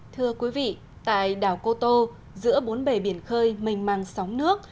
thưa quý vị tại đảo cô tô giữa bốn bể biển khơi mình mang sóng nước